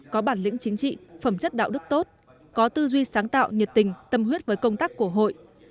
có bản lĩnh chính trị phẩm chất đạo đức tốt có tư duy sáng tạo nhiệt tình tâm huyết với công tác của hội